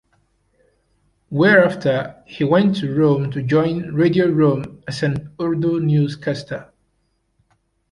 Whereafter, he went to Rome to join 'Radio Rome' as an Urdu newscaster.